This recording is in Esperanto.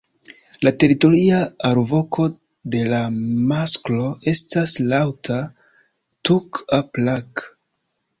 La teritoria alvoko de la masklo estas laŭta "tuuk-a-prrak".